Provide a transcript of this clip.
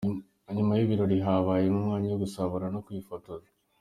Nyuma y'ibirori habayeho umwanya wo gusabana no kwifotoza.